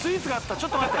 ちょっと待って。